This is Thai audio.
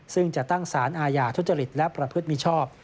ซึ่งจะตั้งสารอาญาทุจริตและประพฤติมิชอบ